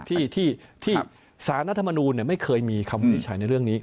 ที่สารรัฐมนูลไม่เคยมีคำวินิจฉัยในเรื่องนี้